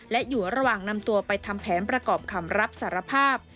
และอยู่ระหว่างนำตัวไปทำแผนประกอบคำรับสารภาพ